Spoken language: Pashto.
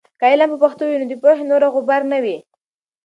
که علم په پښتو وي، نو د پوهې نوره غبار نه وي.